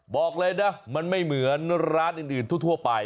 บอกเลยนะมันไม่เหมือนร้านอื่นทั่วไป